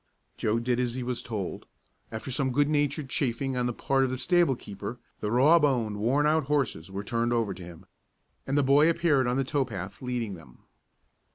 Joe did as he was told. After some good natured chaffing on the part of the stable keeper, the raw boned worn out horses were turned over to him, and the boy appeared on the tow path leading them.